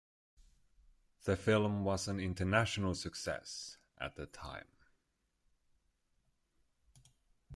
The film was an international success at the time.